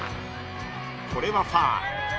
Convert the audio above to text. ［これはファウル］